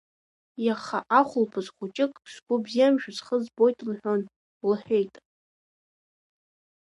Иаха ахәылԥаз хәыҷык сгәы бзиамшәа схы збоит лҳәон, – лҳәеит.